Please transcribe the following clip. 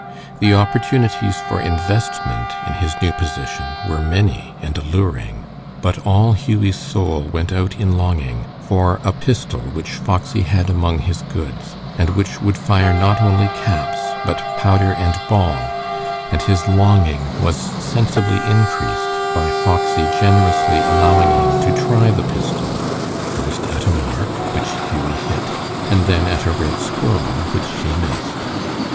The opportunities for investment in his new position were many and alluring. But all Hughie's soul went out in longing for a pistol which Foxy had among his goods, and which would fire not only caps, but powder and ball, and his longing was sensibly increased by Foxy generously allowing him to try the pistol, first at a mark, which Hughie hit, and then at a red squirrel, which he missed.